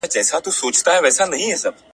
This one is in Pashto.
دا هغه لار ده چي موږ ته هدف راښيي.